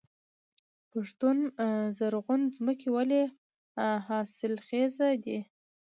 پښتون زرغون ځمکې ولې حاصلخیزه دي؟